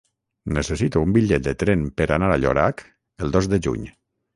Necessito un bitllet de tren per anar a Llorac el dos de juny.